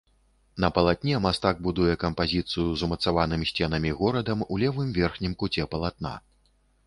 На палатне мастак будуе кампазіцыю з умацаваным сценамі горадам у левым верхнім куце палатна.